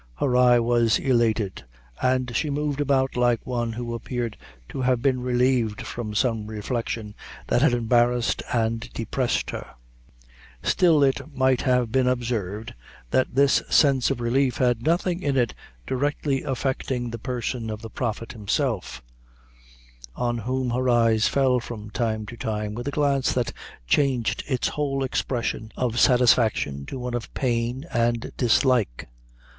Her eye was elated, and she moved about like one who appeared to have been relieved from some reflection that had embarrassed and depressed her; still it might have been observed that this sense of relief had nothing in it directly affecting the person of the prophet himself, on whom her eyes fell from time to time with a glance that changed its whole expression of satisfaction to one of pain and dislike.